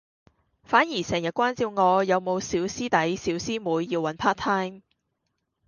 反而成日關照我有冇小師弟小師妹要搵 Part Time